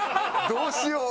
どうしよう？